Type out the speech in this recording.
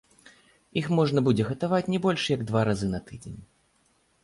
Іх можна будзе гатаваць не больш як два разы на тыдзень.